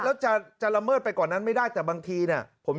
แล้วจะละเมิดไปกว่านั้นไม่ได้แต่บางทีเนี่ย